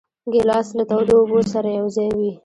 ګیلاس له تودو خبرو سره یوځای وي.